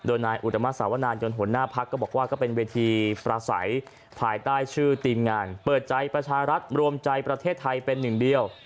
โดยนายอุตมาสาวนายนหัวหน้าพักก็บอกว่าก็เป็นเวทีประสัยภายใต้ชื่อทีมงานเปิดใจประชารัฐรวมใจประเทศไทยเป็นหนึ่งเดียว